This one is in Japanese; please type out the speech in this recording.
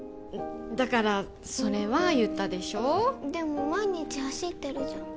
だからそれは言ったでしょでも毎日走ってるじゃん